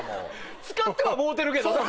使ってはもろてるけどな。